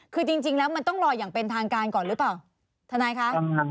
คือจริงแล้วมันต้องรออย่างเป็นทางการก่อนหรือเปล่าทนายคะ